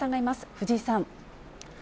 藤井さん。